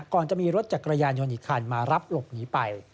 ก่อนจะมีรถจักรยานยนต์อีกคันมารับหลบหนีไป